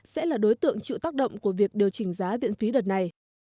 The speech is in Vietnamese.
sẽ là đối tượng chịu tác động của việc điều chỉnh giá viện phí đợt này